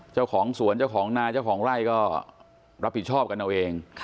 เจ้าของสวนเจ้าของนาเจ้าของไร่ก็รับผิดชอบกันเอาเอง